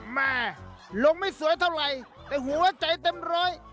แม่ลงไม่สวยเท่าไหร่แต่หัวใจเต็มร้อย